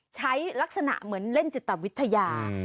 ลักษณะเหมือนเล่นจิตวิทยา